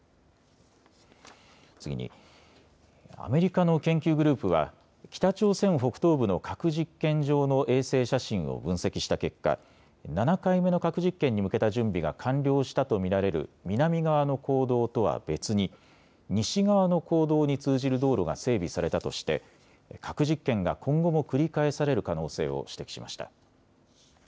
次に、アメリカの研究グループは北朝鮮北東部の核実験場の衛星写真を分析した結果、７回目の核実験に向けた準備が完了したと見られる南側の坑道とは別に西側の坑道に通じる道路が整備されたとして核実験が今後も繰り返される可能性を指摘しました。